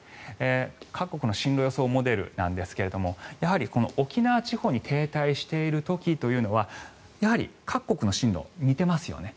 各国の進路予想モデルなんですが沖縄地方に停滞している時というのはやはり各国の進路、似ていますよね。